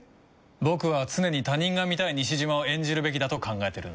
僕は常に他人が見たい西島を演じるべきだと考えてるんだ。